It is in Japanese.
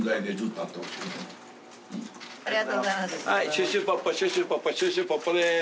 シュッシュポッポシュッシュポッポシュッシュポッポです。